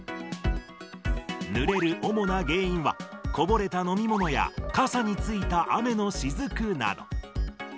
ぬれる主な原因は、こぼれた飲み物や傘についた雨の滴など。